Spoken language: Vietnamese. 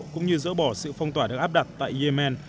cũng như dỡ bỏ sự phong tỏa được áp đặt tại yemen